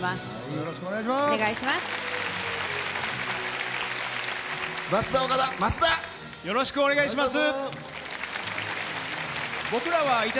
よろしくお願いします。